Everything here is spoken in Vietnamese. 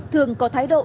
thường có thái độ